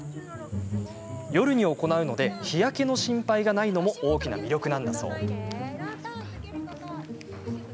夜に行うので日焼けの心配がないのも大きな魅力なんだそう。